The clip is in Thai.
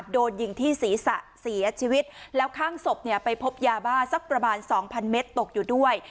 โดนยิงที่ศีรษะเสียชีวิตแล้วข้างศพเนี่ยไปพบยาบ้าสักประมาณสองพันเมตรตกอยู่ด้วย